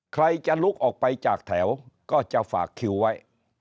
ใครจะลุกออกไปจากแถวก็จะฝากคิวไว้